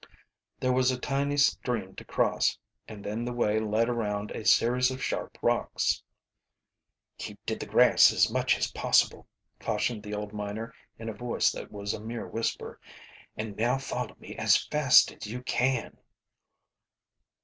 There was a tiny stream to cross, and then the way led around a series of sharp rocks. "Keep to the grass as much as possible," cautioned the old miner in a voice that was a mere whisper. "And now follow me as fast as you can!"